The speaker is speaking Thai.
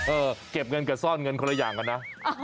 เก็บเงินกับซ่อนเงินคนละอย่างกันนะ